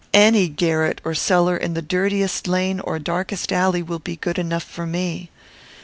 Any garret or cellar in the dirtiest lane or darkest alley will be good enough for me.